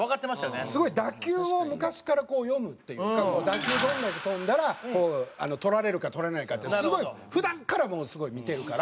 すごい打球を昔からこう読むっていうか打球どんだけ飛んだら捕られるか捕られないかってすごい普段からものすごい見てるから。